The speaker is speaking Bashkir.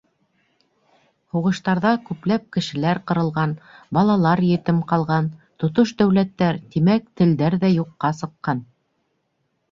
Һуғыштарҙа күпләп кешеләр ҡырылған, балалар етем ҡалған, тотош дәүләттәр, тимәк, телдәр ҙә юҡҡа сыҡҡан.